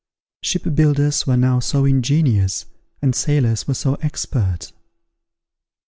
Ship builders were now so ingenious, and sailors were so expert!